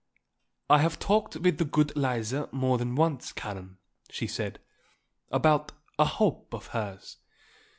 "I have talked with the good Lise more than once, Karen," she said, "about a hope of hers.